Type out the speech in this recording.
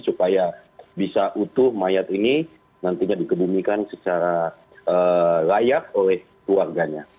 supaya bisa utuh mayat ini nantinya dikebumikan secara layak oleh keluarganya